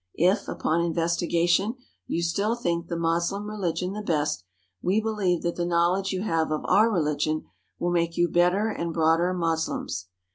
If, upon inves tigation, you still think the Moslem religion the best, we believe that the knowledge you have of our religion will make you better and broader Moslems.